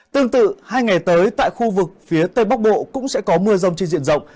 tương tự hai ngày tới tại khu vực phía tây bắc bộ cũng sẽ có mưa rông trên diện rộng